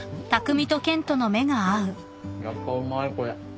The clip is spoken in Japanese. やっぱうまいこれ。